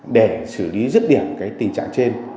để xử lý rứt điểm tình trạng trên